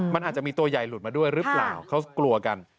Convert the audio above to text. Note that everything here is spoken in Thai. มันอาจจะมีตัวใหญ่หลุดมาด้วยหรือเปล่าเขากลัวกัน